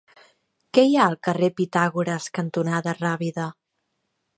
Què hi ha al carrer Pitàgores cantonada Rábida?